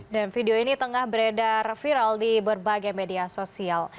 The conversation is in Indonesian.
dan video ini tengah beredar viral di berbagai media sosial